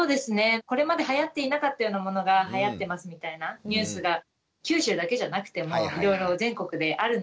これまではやっていなかったようなものがはやってますみたいなニュースが九州だけじゃなくてもいろいろ全国であるので。